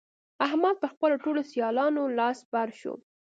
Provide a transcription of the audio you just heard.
احمد پر خپلو ټولو سيالانو لاس بر شو.